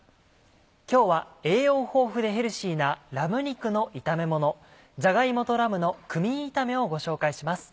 今日は栄養豊富でヘルシーなラム肉の炒めもの「じゃが芋とラムのクミン炒め」をご紹介します。